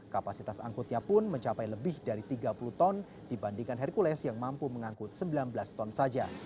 kapasitas angkutnya pun mencapai lebih dari tiga puluh ton dibandingkan hercules yang mampu mengangkut sembilan belas ton saja